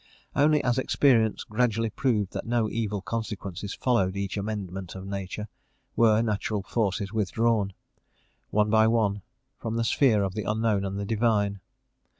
Only as experience gradually proved that no evil consequences followed each amendment of nature, were natural forces withdrawn, one by one, from the sphere of the unknown and the divine.